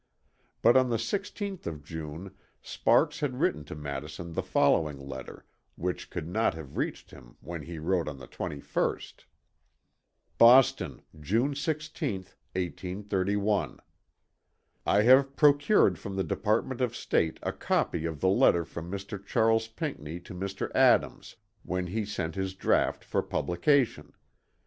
But on the 16th of June Sparks had written to Madison the following letter which could not have reached him when he wrote on the 21st. "BOSTON, June 16th, 1831. "I have procured from the Department of State a copy of the letter from Mr. Charles Pinckney to Mr. Adams, when he sent his draught for publication.